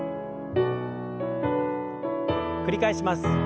繰り返します。